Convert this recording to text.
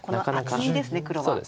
この厚みですね黒は。